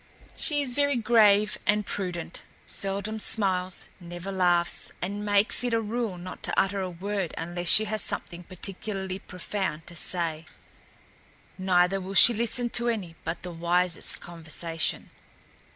She is very grave and prudent, seldom smiles, never laughs and makes it a rule not to utter a word unless she has something particularly profound to say. Neither will she listen to any but the wisest conversation."